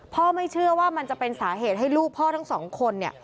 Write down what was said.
ไม่เชื่อว่ามันจะเป็นสาเหตุให้ลูกพ่อทั้งสองคนเนี่ย